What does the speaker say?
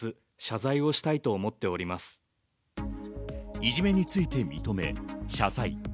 いじめについて認め謝罪。